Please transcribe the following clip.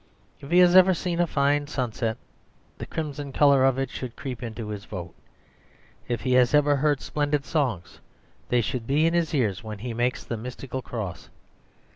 If he has ever seen a fine sunset, the crimson colour of it should creep into his vote. If he has ever heard splendid songs, they should be in his ears when he makes the mystical cross.